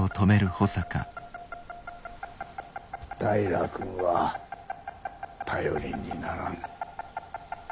平君は頼りにならん。